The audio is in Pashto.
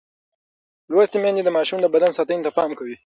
لوستې میندې د ماشوم د بدن ساتنې ته پام کوي.